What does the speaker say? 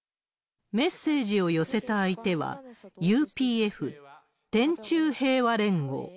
メッセージを寄せた相手は、ＵＰＦ・天宙平和連合。